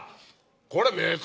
これ。